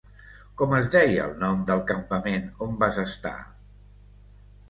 Com es deia el nom del campament on vas estar?